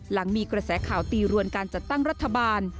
หลังมีกระแสข่าวตีรวนการจัดตั้งรัฐบาล